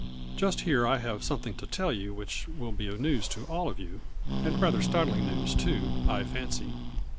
" Just here I have something to tell you which will be news to all of you, and rather startling news too, I fancy.